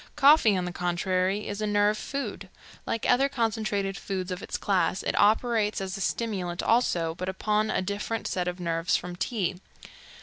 Coffee, on the contrary, is a nerve food. Like other concentrated foods of its class, it operates as a stimulant also, but upon a different set of nerves from tea.